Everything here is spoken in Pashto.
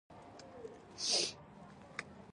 تندی یې ویني شو .